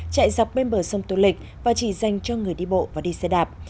chạy dọc bên bờ sông tô lịch và chỉ dành cho người đi bộ và đi xe đạp